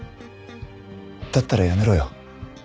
だったらやめろよ。